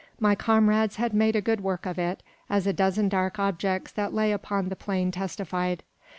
My comrades had made good work of it, as a dozen dark objects that lay upon the plain testified.